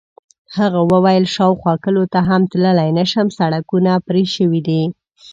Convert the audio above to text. هغه وویل: شاوخوا کلیو ته هم تللی نه شم، سړکونه پرې شوي دي.